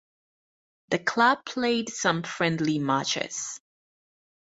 The club played some friendly matches.